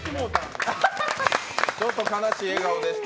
ちょっと悲しい笑顔でした。